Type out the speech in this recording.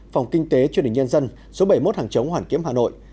phòng kinh tế chương trình nhân dân số bảy mươi một hàng chống hoàn kiếm hà nội